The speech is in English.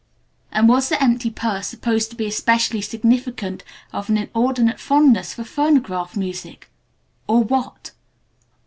And was the empty purse supposed to be especially significant of an inordinate fondness for phonograph music or what?